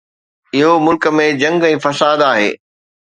اهو ملڪ ۾ جنگ ۽ فساد آهي.